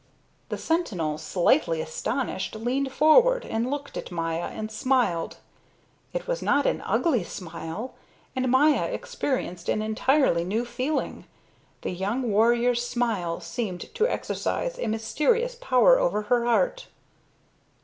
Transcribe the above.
The sentinel, slightly astonished, leaned forward, and looked at Maya and smiled. It was not an ugly smile, and Maya experienced an entirely new feeling: the young warrior's smile seemed to exercise a mysterious power over her heart.